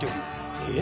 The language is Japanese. えっ？